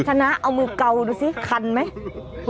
ชนะเอามือเกาดูสิคันไหม